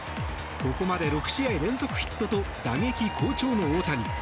ここまで６試合連続ヒットと打撃好調の大谷。